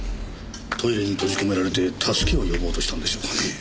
トイレに閉じ込められて助けを呼ぼうとしたんでしょうかねえ。